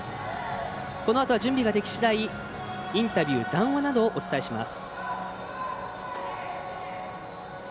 このあと準備ができしだいインタビュー、談話などをお伝えします。